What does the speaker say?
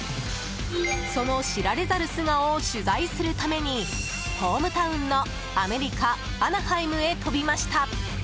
その知られざる素顔を取材するためにホームタウンのアメリカアナハイムへ飛びました。